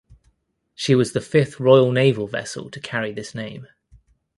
She was the fifth Royal Naval vessel to carry this name.